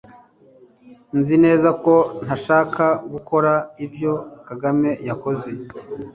Nzi neza ko ntashaka gukora ibyo Kagame yakoze